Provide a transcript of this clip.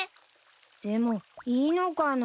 でもいいのかな。